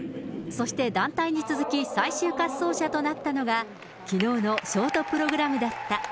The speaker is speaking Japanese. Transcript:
そして団体に続き、最終滑走者となったのが、きのうのショートプログラムだった。